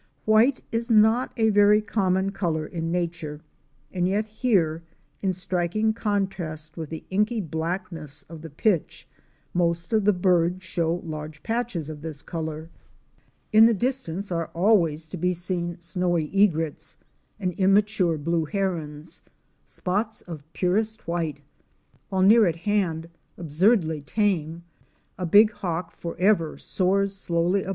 White is not a very common color in nature, and yet here, in striking contrast with the inky blackness of the pitch, most of the birds show large patches of this color. In the dis 64 OUR SEARCH FOR A WILDERNESS. tance are always to be seen Snowy Egrets* and immature Blue Herons — spots of purest white, while near at hand, absurdly tame, a big hawk forever soars slowly about or Fic.